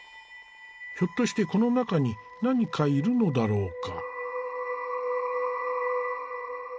ひょっとしてこの中に何かいるのだろうか。